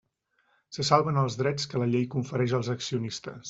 Se salven els drets que la llei confereix als accionistes.